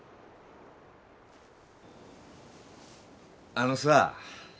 あのさ。